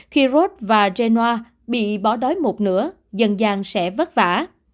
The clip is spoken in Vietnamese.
khi rốt và genoa bị bỏ đói một nửa dần dàng sẽ vất vả